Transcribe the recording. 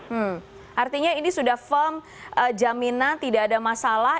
maksudnya ini sudah firm jaminan tidak ada masalah